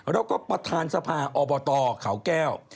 แล้วก็ประธานทรรภาคอบตขาวแก้ว